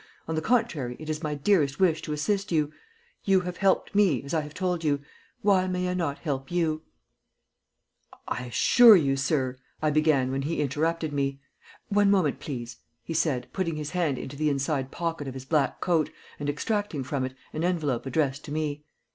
On the contrary, it is my dearest wish to assist you. You have helped me, as I have told you. Why may I not help you?" [Illustration: "HE RATTLED ON FOR HALF AN HOUR"] "I assure you, sir " I began, when he interrupted me. "One moment, please," he said, putting his hand into the inside pocket of his black coat and extracting from it an envelope addressed to me.